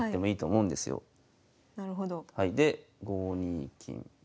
で５二金右。